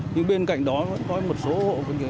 nhưng bên cạnh đó vẫn có một số hộ